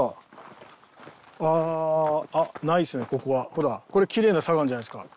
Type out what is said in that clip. ほらこれきれいな砂岩じゃないですか。